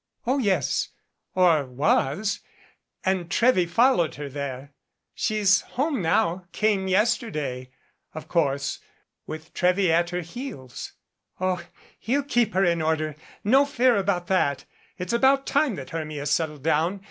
"Oh, yes, or was and Trewy followed her there. She's home now came yesterday of course, with Trewy at her heels. Oh! he'll keep her in order, no fear about that. It's about time that Hermia settled down.